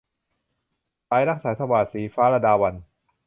สายรักสายสวาท - ศรีฟ้า ลดาวัลย์